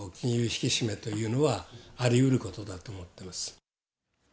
引き締めというのはありうることだと思ってます。